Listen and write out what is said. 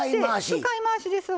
使い回しですわ。